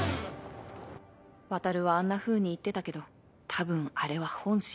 渉はあんなふうに言ってたけど多分あれは本心じゃない